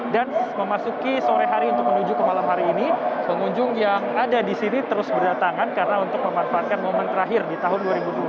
dan memasuki sore hari untuk menuju ke malam hari ini pengunjung yang ada di sini terus berdatangan karena untuk memanfaatkan momen terakhir di tahun dua ribu dua puluh dua